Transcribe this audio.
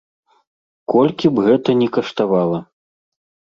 Колькі б гэта ні каштавала.